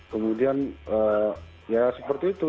kemudian ya seperti itu